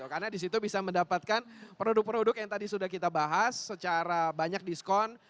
karena disitu bisa mendapatkan produk produk yang tadi sudah kita bahas secara banyak diskon